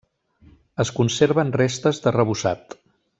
Es conserven restes d'arrebossat.